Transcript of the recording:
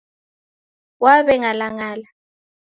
Waweng'alang'ala